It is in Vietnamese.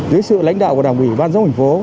dưới sự lãnh đạo của đảng quỷ ban giáo hình phố